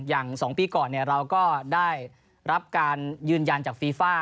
อย่าง๒ปีก่อนเราก็ได้รับการยืนยันจากฟีฟ่า